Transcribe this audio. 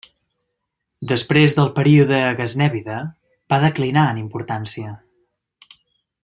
Després del període gaznèvida va declinar en importància.